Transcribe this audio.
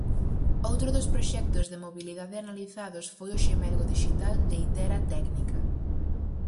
Outro dos proxectos de mobilidade analizados foi o Xemelgo Dixital, de Itera Técnica.